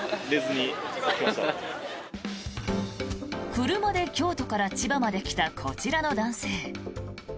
車で京都から千葉まで来たこちらの男性。